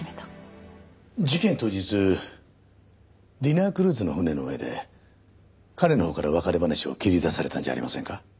事件当日ディナークルーズの船の上で彼のほうから別れ話を切り出されたんじゃありませんか？